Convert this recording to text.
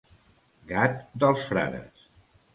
Gat dels frares.